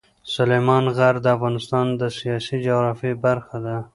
سلیمان غر د افغانستان د سیاسي جغرافیه برخه ده.